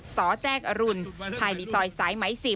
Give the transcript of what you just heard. สแจ้งอรุณภายในซอยสายไหม๔